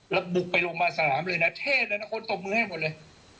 แล้วบุกไปลงมาสนามเลยนะเท่เลยนะคนตบมือให้หมดเลย